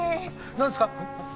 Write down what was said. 何ですか？